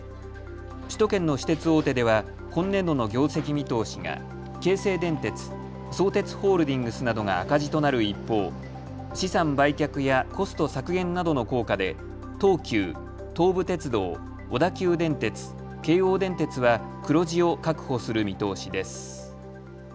首都圏の私鉄大手では今年度の業績見通しが京成電鉄、相鉄ホールディングスなどが赤字となる一方、資産売却やコスト削減などの効果で東急、東武鉄道、小田急電鉄、京王電鉄は黒字を確保する見通しです。